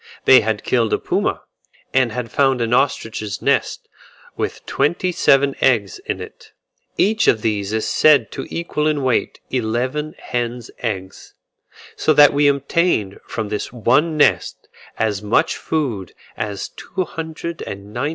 They had killed a puma, and had found an ostrich's nest with twenty seven eggs in it. Each of these is said to equal in weight eleven hen's eggs; so that we obtained from this one nest as much food as 297 hen's eggs would have given.